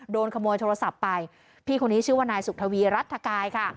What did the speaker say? โดนขโมยโทรศัพท์ไปพี่คนนี้ชื่อว่านายสุขทวีรัฐกายค่ะ